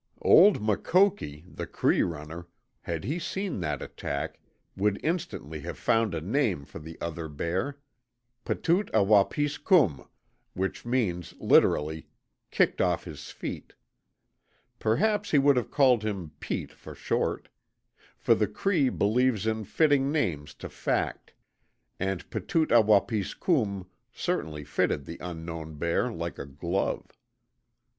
(Old Makoki, the Cree runner, had he seen that attack, would instantly have found a name for the other bear "Petoot a wapis kum," which means, literally: "Kicked off his Feet." Perhaps he would have called him "Pete" for short. For the Cree believes in fitting names to fact, and Petoot a wapis kum certainly fitted the unknown bear like a glove.)